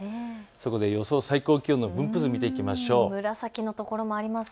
そこで予想最高気温の分布図見ていきましょう。